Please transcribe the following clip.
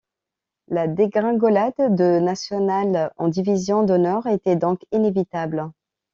La dégringolade de National en Division d'honneur était donc inévitable.